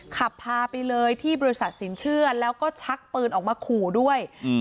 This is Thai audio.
ขับพาไปเลยที่บริษัทสินเชื่อแล้วก็ชักปืนออกมาขู่ด้วย